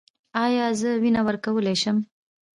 ایا زه وینه ورکولی شم؟